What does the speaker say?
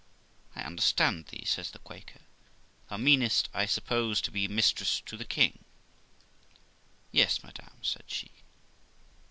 'I understand thee', says the Quaker; 'thou meanest, I suppose, to be mistress to the king.' ' Yes, madam ', said she.